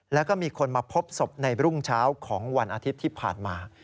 แล้วก็มีคนมาพบศพในรุ่งเช้าของวันอาทิตย์ที่ผ่านมา